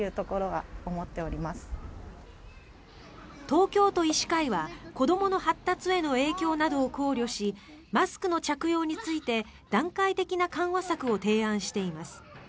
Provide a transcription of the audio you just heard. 東京都医師会は子どもの発達への影響などを考慮しマスクの着用について段階的な緩和策を提案しています。